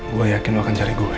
gue yakin lo akan cari gue